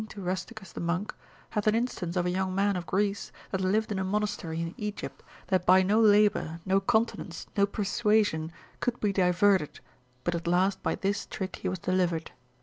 to Rusticus the monk, hath an instance of a young man of Greece, that lived in a monastery in Egypt, that by no labour, no continence, no persuasion, could be diverted, but at last by this trick he was delivered.